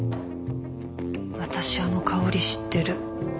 私あの香り知ってる。